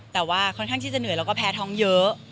แต่ว่าค่อนข้างที่จะเหนื่อยแล้วก็แพ้ท้องเยอะ